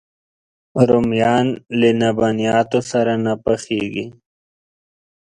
رومیان له لبنیاتو سره نه پخېږي